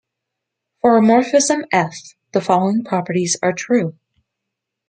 For a morphism "f", the following properties are true.